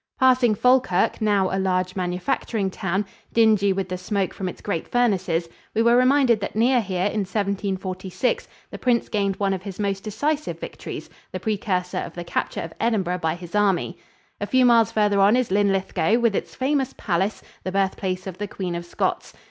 Passing Falkirk, now a large manufacturing town, dingy with the smoke from its great furnaces, we were reminded that near here in 1746 the prince gained one of his most decisive victories, the precursor of the capture of Edinburgh by his army. A few miles farther on is Linlithgow with its famous palace, the birthplace of the Queen of Scots.